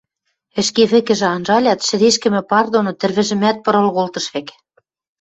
Ӹшке вӹкӹжӹ анжалят, шӹдешкӹмӹ пар доно тӹрвӹжӹмӓт пырыл колтыш вӓк...